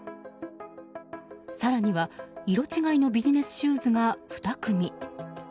更には、色違いのビジネスシューズが２組。